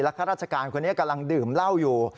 ข้าราชการคนนี้กำลังดื่มเหล้าอยู่